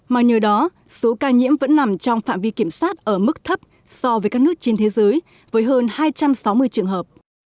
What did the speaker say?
mà nhờ đó số ca nhiễm vẫn nằm trong phạm vi kiểm soát ở mức thấp so với các nước trên thế giới với hơn hai trăm sáu mươi trường hợp